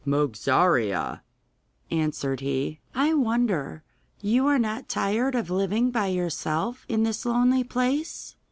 'Mogarzea,' answered he. 'I wonder you are not tired of living by yourself in this lonely place.